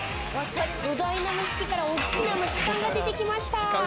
巨大な蒸し器から大きな蒸しパンが出てきました。